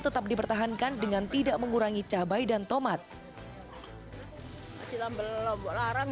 tetap dipertahankan dengan tidak mengurangi cabai dan tomat masih lamba lomba larang